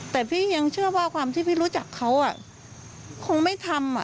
แต่พี่ยังเชื่อว่าความที่พี่รู้จักเขาคงไม่ทำ